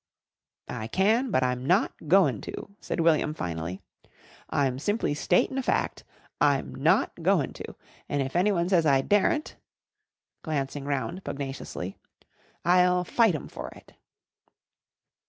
"I can, but I'm not goin' to," said William finally. "I'm simply statin' a fact. I'm not goin' to. And if anyone says I daren't," (glancing round pugnaciously) "I'll fight 'em for it."